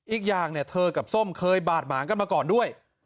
อีกอย่างเนี่ยเธอกับส้มเคยบาดหมางกันมาก่อนด้วย